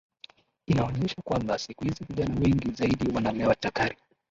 inaonyesha kwamba siku hizi vijana wengi zaidi wanalewa chakari